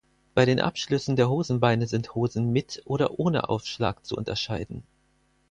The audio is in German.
Bei den Abschlüssen der Hosenbeine sind Hosen mit oder ohne Aufschlag zu unterscheiden.